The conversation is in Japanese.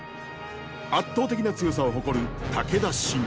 圧倒的な強さを誇る武田信玄。